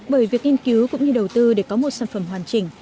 bởi việc nghiên cứu cũng như đầu tư để có một sản phẩm hoàn chỉnh